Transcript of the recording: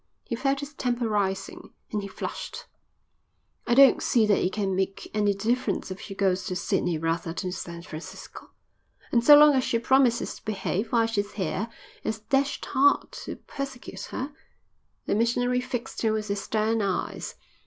He felt his temper rising, and he flushed. "I don't see that it can make any difference if she goes to Sydney rather than to San Francisco, and so long as she promises to behave while she's here it's dashed hard to persecute her." The missionary fixed him with his stern eyes.